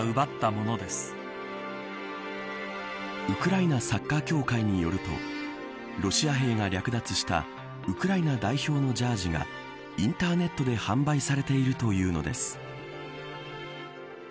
ウクライナサッカー協会によるとロシア兵が略奪したウクライナ代表のジャージーがインターネットで販売されているというのです。